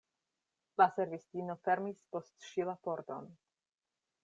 La servistino fermis post ŝi la pordon.